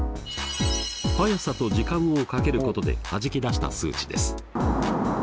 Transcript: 速さと時間を掛けることではじき出した数値です。